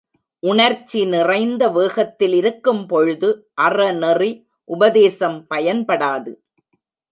உணர்ச்சி நிறைந்த வேகத்தில் இருக்கும் பொழுது அறநெறி உபதேசம் பயன்படாது.